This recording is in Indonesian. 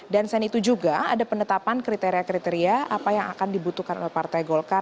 dan selain itu juga ada penetapan kriteria kriteria apa yang akan dibutuhkan oleh partai golkar